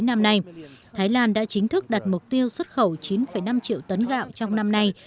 năm nay thái lan đã chính thức đặt mục tiêu xuất khẩu chín năm triệu tấn gạo trong năm nay